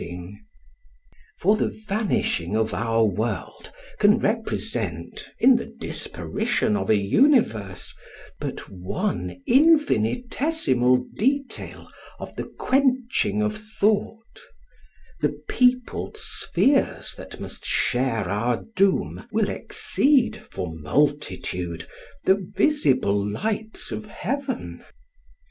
Digitized by Googk 214 REVERY For the vanishing of our world can represent, in the disparition of a universe, but one infinitesimal detail of the quenching of thought: the peopled spheres that must share our doom will exceed for multitude the visible lights of heaven.